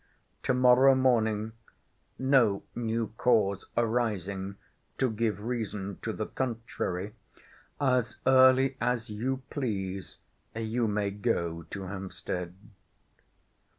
—To morrow morning (no new cause arising to give reason to the contrary) as early as you please you may go to Hampstead.